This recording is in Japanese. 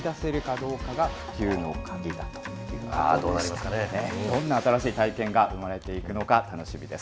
どんな新しい体験が生まれていくのか、楽しみです。